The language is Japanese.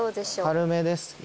軽めですね。